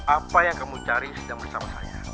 apa yang kamu cari sedang bersama saya